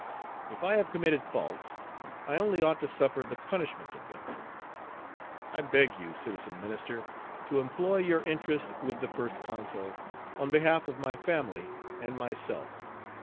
If I have committed faults, I only ought to suffer the punishment of them. Page 236 "I beg you, Citizen Minister, to employ your interest with the First Consul, on behalf of my family and myself.